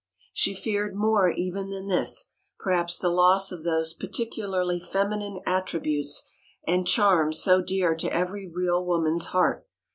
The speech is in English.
She feared more even than this, perhaps, the loss of those particularly feminine attributes and charms so dear to every real woman's heart.